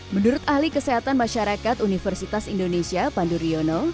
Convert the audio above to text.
menurut ahli kesehatan masyarakat universitas indonesia panduryono